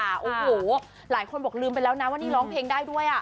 โอ้โหหลายคนบอกลืมไปแล้วนะว่านี่ร้องเพลงได้ด้วย